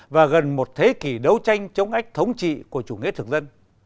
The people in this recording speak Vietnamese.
và gần một thế kỷ đấu tranh chống ách thống trị của chủ nghĩa thực dân